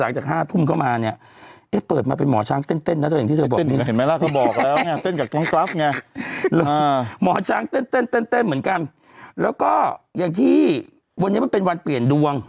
วันนี้สมมติเรามีเงินเยอะเยอะอย่างเงี้ยธนบัตรเยอะเยอะเขาเอามาใส่ในกระเป๋าเงิน